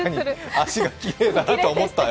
足がきれいだなと思ったよ。